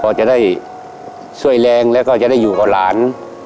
พอจะได้ช่วยแรงแล้วก็จะได้อยู่กับหลาน